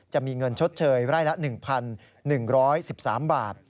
จะมีเงินชดเชยไร่ละ๑๑๑๓บาท